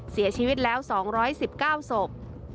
เสียชีวิตแล้ว๒๑๙ศพ